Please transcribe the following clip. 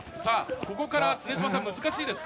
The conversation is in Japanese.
ここから常島さん、難しいですか？